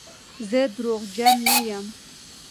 زه درواغجن نه یم.